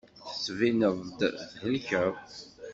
Tettbineḍ-d thelkeḍ.